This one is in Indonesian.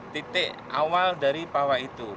titik awal dari pawai itu